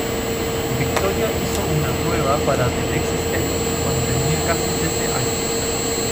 Victoria hizo una prueba para The Next Step cuando tenía casi trece años.